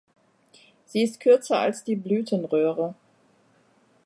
Sie ist kürzer als die Blütenröhre.